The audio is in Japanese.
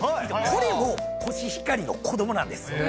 これもコシヒカリの子供なんです。